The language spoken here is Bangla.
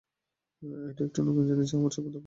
এটি একটি নতুন জিনিস যা আমার চোখ কখনো দেখেনি।